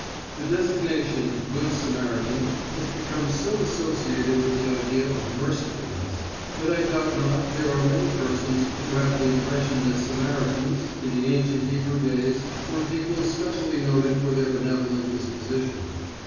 The designation Good Samaritan has become so associated with the idea of mercifulness, that I doubt not there are many persons who have the impression that Samaritans in the ancient Hebrew days were people specially noted for their benevolent disposition.